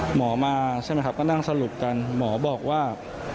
หมอมาใช่ไหมครับก็นั่งสรุปกันหมอบอกว่า